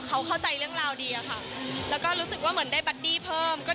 โดยเจ้าตัวมองว่าลูกสาวเนี่ยเป็นเหมือนบัตตี้ที่คุยกันอย่างรู้ใจส่วนแววในวงการบันเทิงนะฮะ